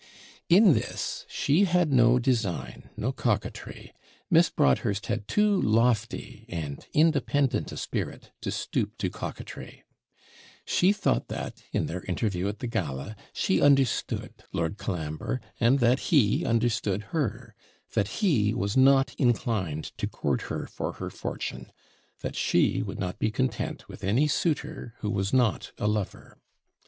In this she had no design, no coquetry; Miss Broadhurst had too lofty and independent a spirit to stoop to coquetry: she thought that, in their interview at the gala, she understood Lord Colambre, and that he understood her that he was not inclined to court her for her fortune that she would not be content with any suitor who was not a lover.